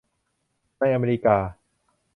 ในอเมริกา